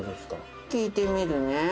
聞いてみるね。